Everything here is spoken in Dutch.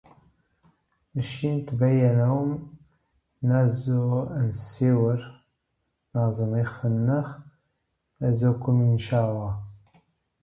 Wij tonen u in te zijn voor overleg, openheid en gematigdheid.